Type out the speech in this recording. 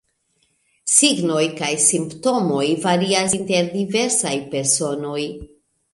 Signoj kaj simptomoj varias inter diversaj personoj.